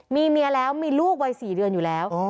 มีเมียแล้วมีลูกวัย๔เดือนอยู่แล้ว